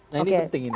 nah ini penting ini